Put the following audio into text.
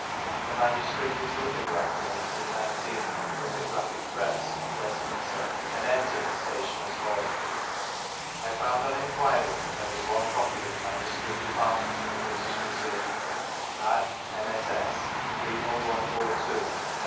The manu script was lithographed, in 18 19, by the Litho graphic Press, Westminster, and entered at Stationers* Hall. I found on enquiry that there was <Mie copy in the Manuscript Department of the British Museum (Add. MSS., 30142, ff.